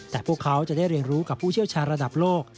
แต่พวกเขาจะได้เรียนรู้กับผู้เชี่ยวชาญระดับโลก